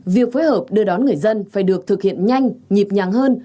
việc phối hợp đưa đón người dân phải được thực hiện nhanh nhịp nhàng hơn